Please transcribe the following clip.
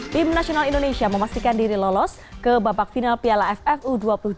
tim nasional indonesia memastikan diri lolos ke babak final piala ff u dua puluh dua